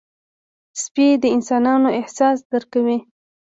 سپي د انسانانو احساس درک کوي.